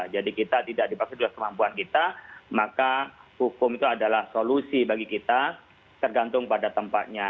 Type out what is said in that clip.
jadi kita tidak dipaksa di luar kemampuan kita maka hukum itu adalah solusi bagi kita tergantung pada tempatnya